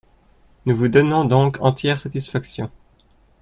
Nous vous donnons donc entière satisfaction.